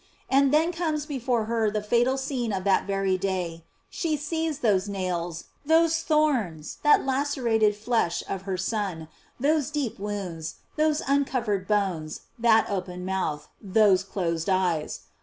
And then comes before her the fatal scene of that very day ; she sees those nails, those thorns, that lacerated flesh of her Son, those deep wounds, those uncovered bones, that open mouth, those closed eyes.